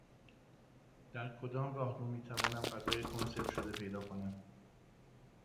در کدام راهرو می توانم غذای کنسرو شده پیدا کنم؟